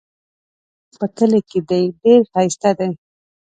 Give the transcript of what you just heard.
زما کور په کلي کې دی ډېر ښايسته دی